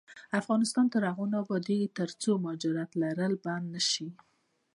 افغانستان تر هغو نه ابادیږي، ترڅو د مهاجرت لړۍ بنده نشي.